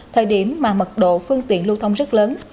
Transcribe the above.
thời điểm mà mật độ phương tiện lưu thông rất lớn